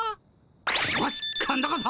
よし今度こそ！